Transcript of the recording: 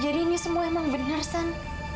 jadi ini semua emang benar stan